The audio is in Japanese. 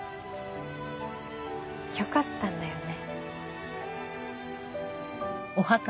よかったんだよね？